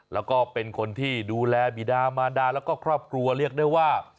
แล้วก็เป็นคนที่ดูแลบีดามารดาแล้วก็ครอบครัวเรียกได้ว่า